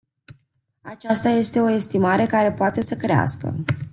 Aceasta este o estimare care poate să crească.